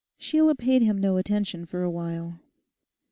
Sheila paid him no attention for a while.